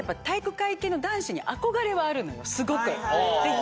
すごく。